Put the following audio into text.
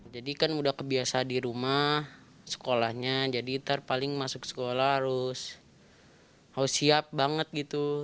jadi kan udah kebiasa di rumah sekolahnya jadi ntar paling masuk sekolah harus siap banget gitu